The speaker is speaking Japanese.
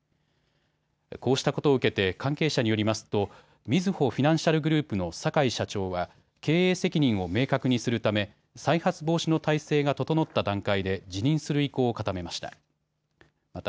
こうしたことを受けて関係者によりますとみずほフィナンシャルグループの坂井社長は経営責任を明確にするため再発防止の態勢が整った段階で辞任する意向を固めました。